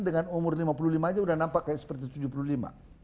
dengan umur lima puluh lima saja sudah nampak seperti tujuh puluh lima